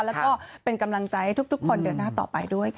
แล้วก็เป็นกำลังใจให้ทุกคนเดินหน้าต่อไปด้วยค่ะ